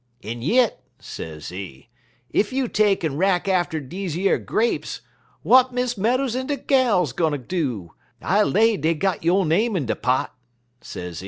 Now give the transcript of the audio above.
En yit,' sezee,' ef you take'n rack off atter deze yer grapes, w'at Miss Meadows en de gals gwine do? I lay dey got yo' name in de pot,' sezee.